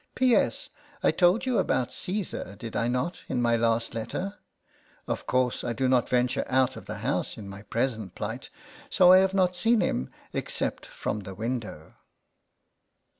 P. S. I told you about Caesar, did I not, in my last letter ? Of course I do not venture out of the house in my present plight, so I have not seen him except from the window.